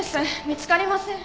見つかりません。